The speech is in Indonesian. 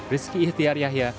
riski ihtiar yahya